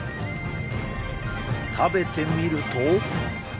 食べてみると。